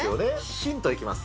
ヒントいきます。